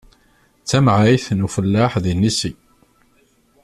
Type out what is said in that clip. D tamɛayt n ufellaḥ d yinisi.